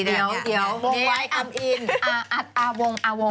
เดี๋ยวมอไมค์อันอิ้น